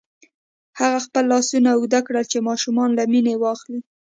هغه خپل لاسونه اوږده کړل چې ماشوم له مينې واخلي.